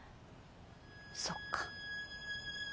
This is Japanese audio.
そっか。